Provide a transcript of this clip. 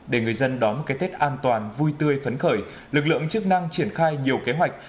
để người dân đón một cái tết an toàn vui tươi phấn khởi lực lượng chức năng triển khai nhiều kế hoạch